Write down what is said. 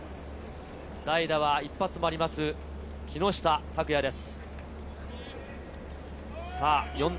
代打は一発もある木下拓哉です。